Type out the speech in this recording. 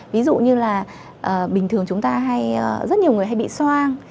ví dụ như là bình thường chúng ta rất nhiều người hay bị soan